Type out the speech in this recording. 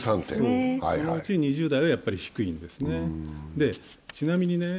そのうち２０代は低いんですね。